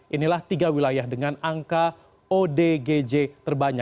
inilah tiga wilayah dengan angka odgj terbanyak